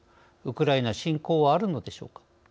ウクライナ侵攻はあるのでしょうか。